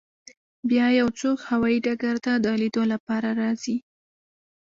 بیا یو څوک هوایی ډګر ته د لیدو لپاره راځي